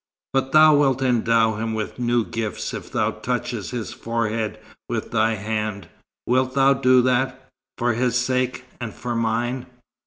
But thou wilt endow him with new gifts if thou touchest his forehead with thy hand. Wilt thou do that, for his sake, and for mine?"